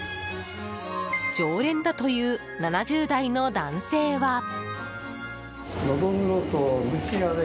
常連だという７０代の男性は。